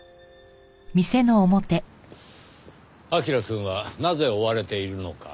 彬くんはなぜ追われているのか。